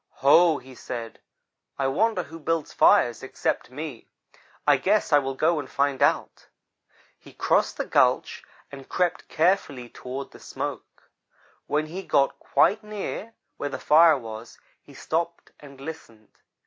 'Ho!' he said, 'I wonder who builds fires except me. I guess I will go and find out.' "He crossed the gulch and crept carefully toward the smoke. When he got quite near where the fire was, he stopped and listened.